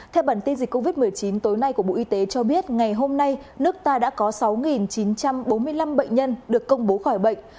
theo bản tin dịch covid một mươi chín tối nay của bộ y tế cho biết ngày hôm nay nước ta đã có sáu chín trăm bốn mươi năm bệnh nhân được công bố khỏi bệnh